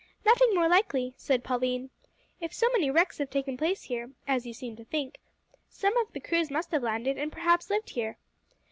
"Nothing more likely," said Pauline. "If so many wrecks have taken place here as you seem to think some of the crews must have landed, and perhaps lived here."